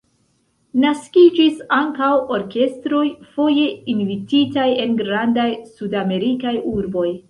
Naskiĝis ankaŭ orkestroj, foje invititaj en grandaj Sudamerikaj urboj.